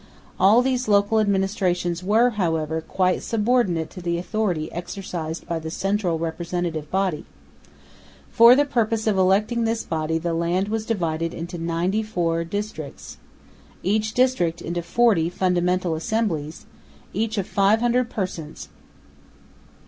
All these local administrations were, however, quite subordinate to the authority exercised by the central Representative Body. For the purpose of electing this body the land was divided into ninety four districts; each district into forty "Fundamental Assemblies," each of 500 persons.